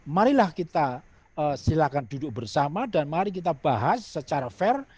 marilah kita silakan duduk bersama dan mari kita bahas secara fair